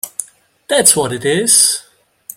That’s what it is!